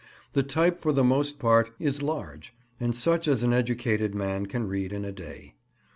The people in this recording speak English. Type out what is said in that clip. The type for the most part is large, and such as an educated man can read in a day.